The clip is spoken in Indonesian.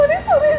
sori siaya mas